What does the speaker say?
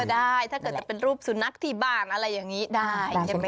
ได้ถ้าเกิดจะเป็นรูปสุนัขที่บ้านอะไรอย่างนี้ได้ใช่ไหมค